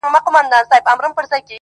• که خدای وکړه هره خوا مي پرې سمېږي,